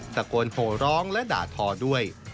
ตะโกนโหร้องและด่าทอด้วย